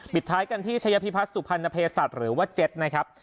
ท้ายกันที่ชัยพิพัฒน์สุพรรณเพศัตริย์หรือว่าเจ็ตนะครับ